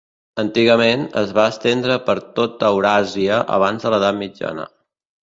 Antigament, es va estendre per tota Euràsia, abans de l'edat mitjana.